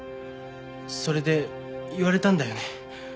それで言われたんだよね。